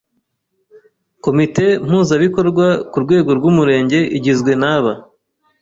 Komite Mpuzabikorwa ku rwego rw’Umurenge igizwe n’aba